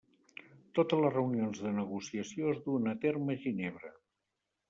Totes les reunions de negociació es duen a terme a Ginebra.